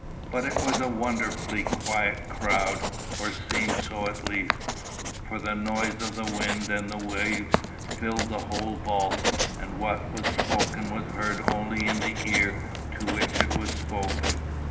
But it was a wonderfully quiet crowd, or seemed so at least; for the noise of the wind and the waves filled the whole vault, and what was spoken was heard only in the ear to which it was spoken.